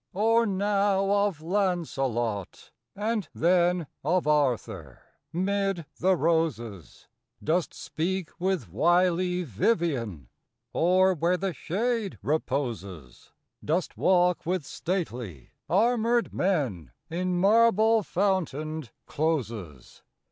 Or now of Launcelot, and then Of Arthur, 'mid the roses, Dost speak with wily Vivien? Or where the shade reposes, Dost walk with stately armored men In marble fountained closes?